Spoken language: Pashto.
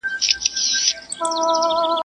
ولي خو د جنگ نيمى دئ.